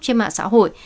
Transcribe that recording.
trên mạng xã hội